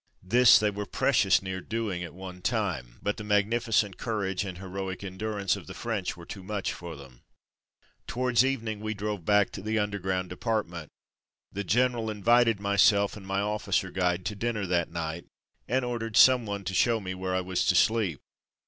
This they were precious near doing at one time, but the magnificent courage and heroic endurance of the French were too much for them. Towards evening we drove back to the underground department. The general in vited myself and my officer guide to dinner that night, and ordered someone to show me where I was to sleep.